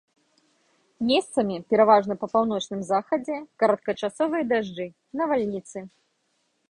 Месцамі, пераважна па паўночным захадзе, кароткачасовыя дажджы, навальніцы.